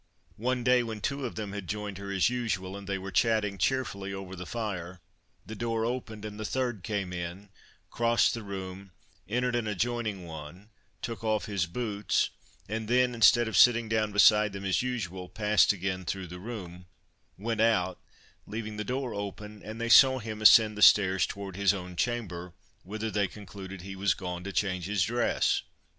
One day, when two of them had joined her as usual, and they were chatting cheerfully over the fire, the door opened, and the third came in, crossed the room, entered an adjoining one, took off his boots, and then, instead of sitting down beside them as usual, passed again through the room, went out, leaving the door open, and they saw him ascend the stairs toward his own chamber, whither they concluded he was gone to change his dress.